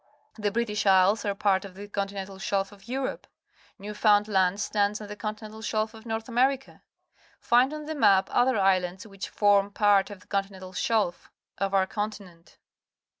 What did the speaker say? The British Lsles are part of the continental shelf of Europe. Newfoundland stands on the continental shelf of North America. Find on the map other islands which form part of the con tinental shelf of our continent.